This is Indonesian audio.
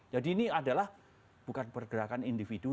jadi ini adalah bukan pergerakan individual